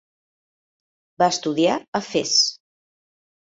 Va estudiar a Fes.